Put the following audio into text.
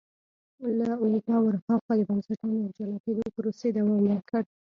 له اروپا ور هاخوا د بنسټونو د جلا کېدو پروسې دوام ورکړ.